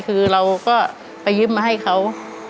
คือเราก็ไปยืมมาให้เขา